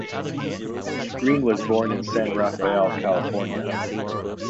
Green was born in San Rafael, California.